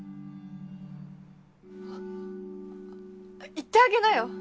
行ってあげなよ。